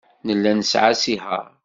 Nella nesɛa asihaṛ.